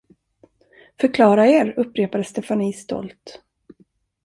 Förklara er? upprepade Stefanie stolt.